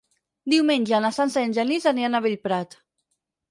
Diumenge na Sança i en Genís aniran a Bellprat.